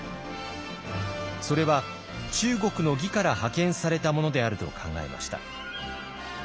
それは中国の魏から派遣されたものであると考えました。